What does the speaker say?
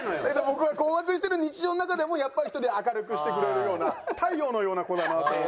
僕は困惑してる日常の中でもやっぱり１人明るくしてくれるような太陽のような子だなと思ってて。